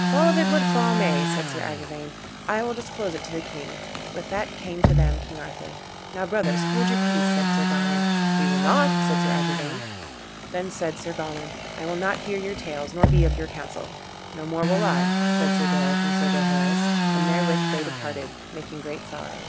"Fall of it what fall may," said Sir Agrivain, "I will disclose it to the king." With that came to them King Arthur. "Now, brothers, hold your peace," said Sir Gawain. "We will not," said Sir Agrivain. Then said Sir Gawain, "I will not hear your tales nor be of your counsel." "No more will I," said Sir Gareth and Sir Gaheris, and therewith they departed, making great sorrow.